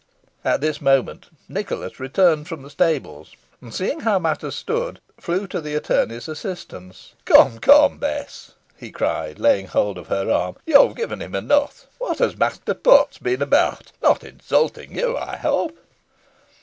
At this moment Nicholas returned from the stables, and, seeing how matters stood, flew to the attorney's assistance. "Come, come, Bess," he cried, laying hold of her arm, "you've given him enough. What has Master Potts been about? Not insulting you, I hope?"